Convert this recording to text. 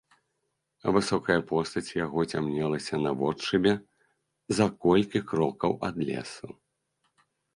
Высокая постаць яго цямнелася наводшыбе за колькі крокаў ад лесу.